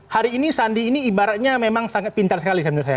hari ini sandi ini ibaratnya memang sangat pintar sekali menurut saya